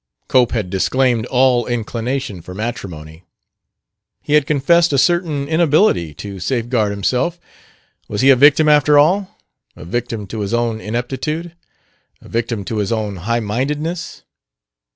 Cope had disclaimed all inclination for matrimony. He had confessed a certain inability to safeguard himself. Was he a victim, after all? A victim to his own ineptitude? A victim to his own highmindedness?